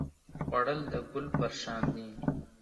خوړل د ګل پر شان دی